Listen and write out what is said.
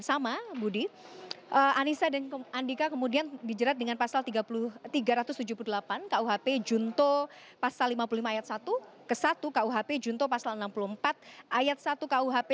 sama budi anissa dan andika kemudian dijerat dengan pasal tiga ratus tujuh puluh delapan kuhp junto pasal lima puluh lima ayat satu ke satu kuhp junto pasal enam puluh empat ayat satu kuhp